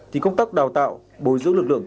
thì công tác đào tạo bồi dưỡng lực lượng